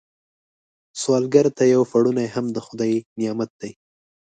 سوالګر ته یو پړونی هم د خدای نعمت دی